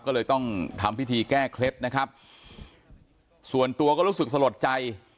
ก็เลยต้องทำพิธีแก้เคล็ดนะครับส่วนตัวก็รู้สึกสลดใจ